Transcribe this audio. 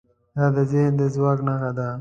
دا د ذهن د ځواک نښه ده.